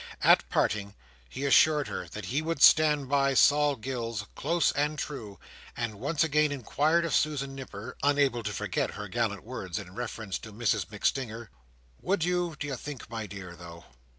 At parting, he assured her that he would stand by Sol Gills, close and true; and once again inquired of Susan Nipper, unable to forget her gallant words in reference to Mrs MacStinger, "Would you, do you think my dear, though?"